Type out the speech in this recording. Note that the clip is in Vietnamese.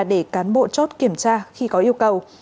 để cán bộ chốt kiểm tra khi có yêu cầu